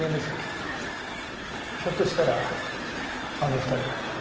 ひょっとしたらあの２人も。